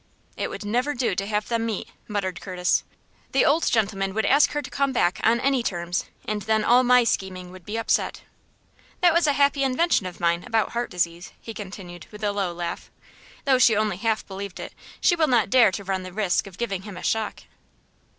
"It would never do to have them meet!" muttered Curtis. "The old gentleman would ask her to come back on any terms, and then all my scheming would be upset. That was a happy invention of mine, about heart disease," he continued, with a low laugh. "Though she only half believed it, she will not dare to run the risk of giving him a shock."